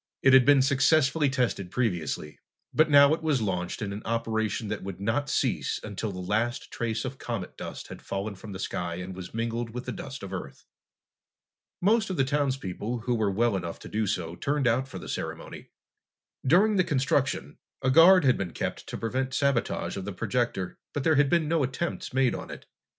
It had been successfully tested previously, but now it was launched in an operation that would not cease until the last trace of comet dust had fallen from the sky and was mingled with the dust of the Earth. Most of the townspeople who were well enough to do so turned out for the ceremony. During the construction, a guard had been kept to prevent sabotage of the projector, but there had been no attempts made on it.